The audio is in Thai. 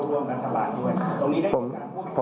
มีค่าดีที่อยากเข้าร่วมกันกับรัฐบาลด้วยตรงนี้ได้ยินการพูด